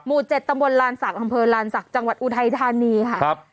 หมู่เจ็ดตะบนลานศักดิ์ลานศักดิ์จังหวัดอุทัยธานีค่ะ